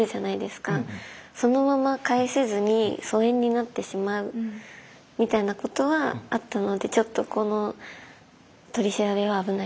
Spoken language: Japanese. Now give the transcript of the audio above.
そのまま返せずに疎遠になってしまうみたいなことはあったのでちょっとこの取り調べは危ないかもしれないです。